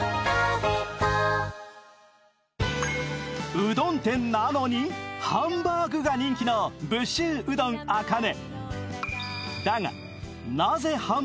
うどん店なのにハンバーグが人気の武州うどんあかね。